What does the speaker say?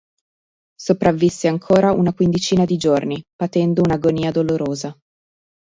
Sopravvisse ancora una quindicina di giorni, patendo un'agonia dolorosa.